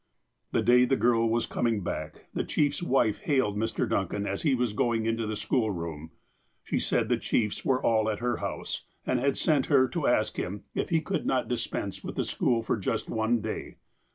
The day the girl was coming back, the chief's wife hailed Mr. Duncan as he was going into the schoolroom. She said the chiefs were all at her house, and had sent her to ask him if he could not dispense with the school for just one day.